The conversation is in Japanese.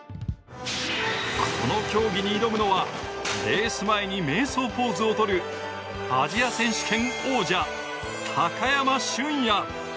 この競技に挑むのはレース前に瞑想ポーズをとるアジア選手権王者・高山峻野。